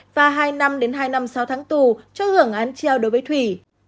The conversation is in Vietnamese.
và hai năm đến hai năm sáu tháng tù cho hưởng án treo đối với thủy